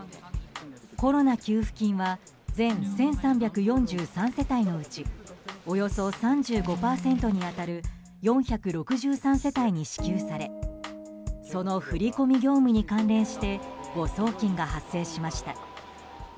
コロナ給付金は全１３４３世帯のうちおよそ３５％に当たる４６３世帯に支給されその振り込み業務に関連して誤送金が発生しました。